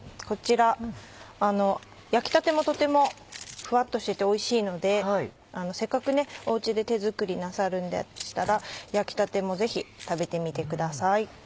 こちら焼きたてもとてもふわっとしてておいしいのでせっかくお家で手作りなさるんでしたら焼きたてもぜひ食べてみてください。